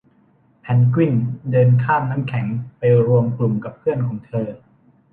เพนกวินเดินข้ามน้ำแข็งไปรวมกลุ่มกับเพื่อนของเธอ